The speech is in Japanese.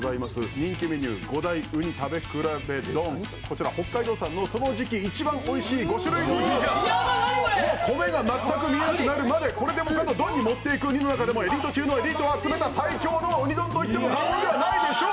人気メニュー５大うに食べ比べ丼、こちらはその時期一番おいしい５種類のうにを米が見えなくなるまでこれでもかと丼に盛っていくエリート中のエリートを集めた最強のうに丼といっても過言ではないでしょう。